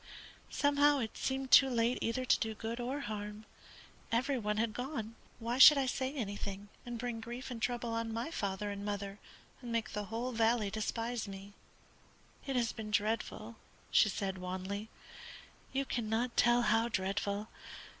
Somehow it seemed too late either to do good or harm. Every one had gone. Why should I say anything, and bring grief and trouble on my father and mother, and make the whole valley despise me? It has been dreadful," she said, wanly. "You cannot tell how dreadful.